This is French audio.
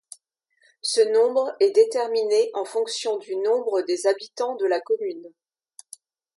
Ce nombre est déterminé en fonction du nombre des habitants de la commune.